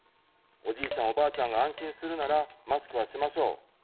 おじいちゃん、おばあちゃんが安心するなら、マスクはしましょう。